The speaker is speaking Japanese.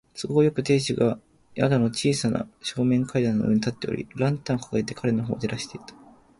都合よく、亭主が宿の小さな正面階段の上に立っており、ランタンをかかげて彼のほうを照らしていた。